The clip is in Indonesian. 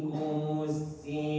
itu dalam semua hadits yang sahih